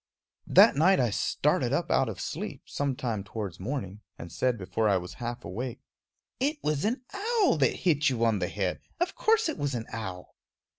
That night I started up out of sleep, some time towards morning, and said before I was half awake: "It was an owl that hit you on the head of course it was an owl!"